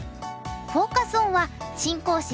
フォーカス・オンは新講師